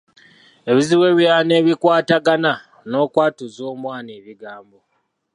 Ebizibu ebirala ng’ebikwatagana n’okwatuza abaana ebigambo.